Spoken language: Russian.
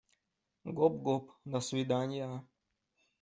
Гоп-гоп, до свиданья!